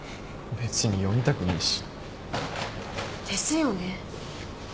別に読みたくねえし。ですよね。